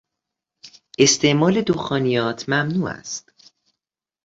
استعمال دخانیات ممنوع است.